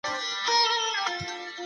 د ارغنداب سیند د اقتصادي ثبات سبب سوي.